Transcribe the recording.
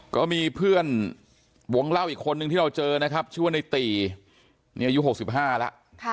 ก็มีเพื่อนวงเล่าอีกคนนึงที่เราเจอนะครับชื่อว่าในตีนี่อายุ๖๕แล้ว